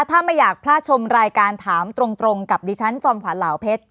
ถ้าไม่อยากพลาดชมรายการถามตรงกับดิฉันจอมขวัญเหล่าเพชร